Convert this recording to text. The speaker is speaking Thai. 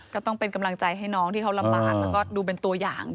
ก็ต้องเป็นกำลังใจให้น้องที่เขาลำบากแล้วก็ดูเป็นตัวอย่าง